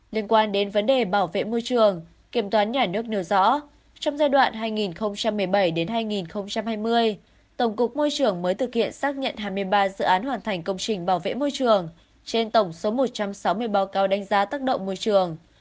liên quan đến vấn đề bảo vệ môi trường kiểm toán nhà nước nêu rõ trong giai đoạn hai nghìn một mươi bảy hai nghìn hai mươi tổng cục môi trường mới thực hiện xác nhận hai mươi ba dự án hoàn thành công trình bảo vệ môi trường trên tổng số một trăm sáu mươi báo cáo đánh giá tác động môi trường